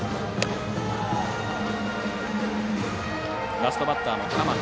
ラストバッターの鎌田。